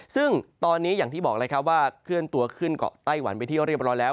ซึ่งตอนนี้อย่างที่บอกเลยครับว่าเคลื่อนตัวขึ้นเกาะไต้หวันไปที่เรียบร้อยแล้ว